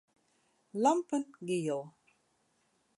Lampen giel.